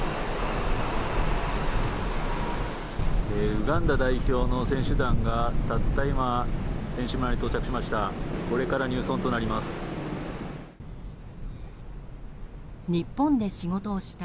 ウガンダ代表の選手団がたった今選手村に到着しました。